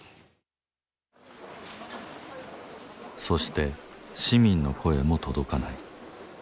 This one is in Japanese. そして市民の声も届かない。